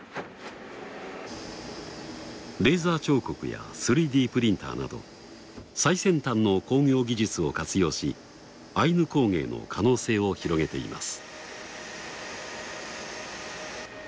レーザー彫刻や３Ｄプリンターなど最先端の工業技術を活用しアイヌ工芸の可能性を広げています。